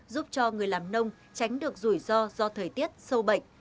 giúp cho người làm nông tránh được rủi ro do thời tiết sâu bệnh